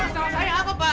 kenapa salah saya apa pak